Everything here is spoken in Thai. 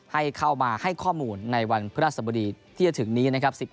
ให้เข้ามาให้ข้อมูลในวันพฤหัสบดีที่จะถึงนี้นะครับ